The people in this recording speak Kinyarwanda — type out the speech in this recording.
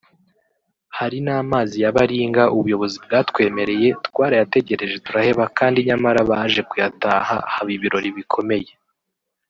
Hari n’amazi ya baringa ubuyobozi bwatwemereye twarayategereje turaheba kandi nyamara baje kuyataha haba ibirori bikomeye